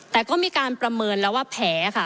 แต่ก็มีการประเมินแล้วว่าแผลค่ะ